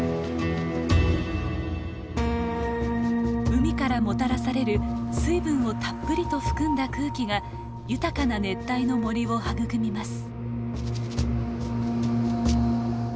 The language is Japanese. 海からもたらされる水分をたっぷりと含んだ空気が豊かな熱帯の森を育みます。